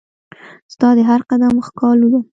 ستا د هرقدم ښکالو به